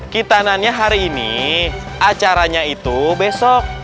kita nanya hari ini acaranya itu besok